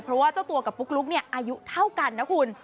เพราะว่าเจ้าตัวกับปุ๊กลุ๊กเนี่ยอายุเท่ากันนะคุณ